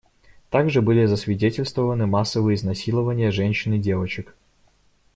Также были засвидетельствованы массовые изнасилования женщин и девочек.